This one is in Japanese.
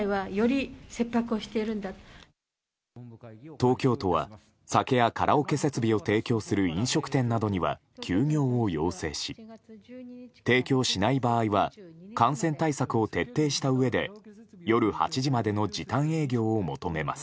東京都は酒やカラオケ設備を提供する飲食店などには休業を要請し提供しない場合は感染対策を徹底したうえで夜８時までの時短営業を求めます。